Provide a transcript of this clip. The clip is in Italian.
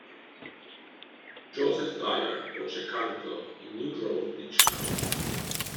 Joseph Dyer, voce "Cantor" in New Grove Dictionary